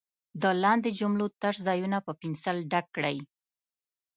د لاندې جملو تش ځایونه په پنسل ډک کړئ.